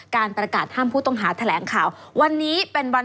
การประกาศห้ามผู้ต้องหาแถงข่าว